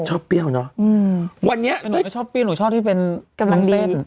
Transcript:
ชอบเปรี้ยวเนอะอืมวันนี้แต่หนูไม่ชอบเปรี้ยวหนูชอบที่เป็นกำลังเต้น